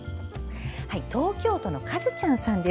東京都のかずちゃんさん。